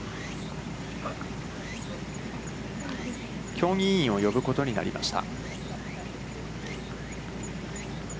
競技委員を呼ぶことになりました。